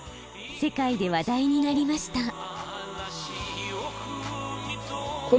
世界で話題になりました。